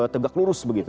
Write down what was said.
tegak lurus begitu